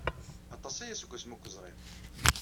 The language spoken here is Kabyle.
Aṭas aya seg wasmi ur k-ẓriɣ.